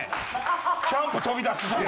キャンプ飛び出しって。